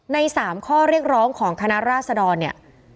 ๓ข้อเรียกร้องของคณะราษดรเนี่ย